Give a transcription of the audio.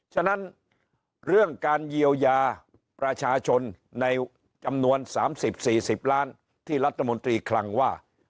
ฉะนั้นเรื่องการเยียวยาประชาชนในจำนวน๓๐๔๐ล้านที่รัฐมนตรีคลังว่า